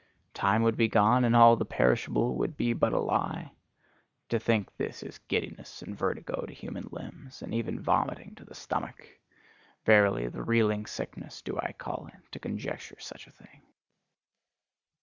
Time would be gone, and all the perishable would be but a lie? To think this is giddiness and vertigo to human limbs, and even vomiting to the stomach: verily, the reeling sickness do I call it, to conjecture such a thing.